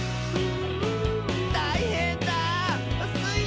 「たいへんだスイ